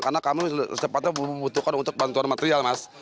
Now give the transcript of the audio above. karena kami secepatnya membutuhkan untuk bantuan material mas